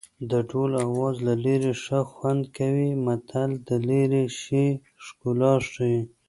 د ډول آواز له لرې ښه خوند کوي متل د لرې شي ښکلا ښيي